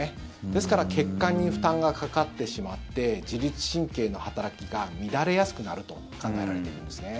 ですから血管に負担がかかってしまって自律神経の働きが乱れやすくなると考えられているんですね。